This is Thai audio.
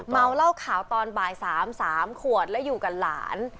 เมาเหล้าขาวตอนบ่าย๓๓ขวดแล้วอยู่กับหลาน